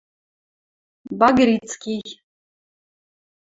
Багрицкий